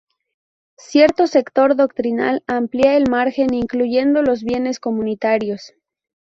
Cierto sector doctrinal amplía el margen, incluyendo los bienes comunitarios.